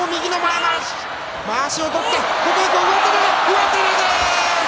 上手投げ。